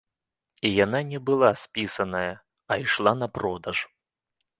І яна не была спісаная, а ішла на продаж.